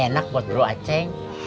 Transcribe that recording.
enak buat bro aceh